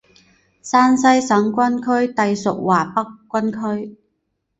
山西省军区隶属华北军区。